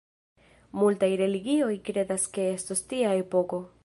Multaj religioj kredas ke estos tia epoko.